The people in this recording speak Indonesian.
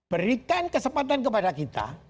berikan kesempatan kepada kita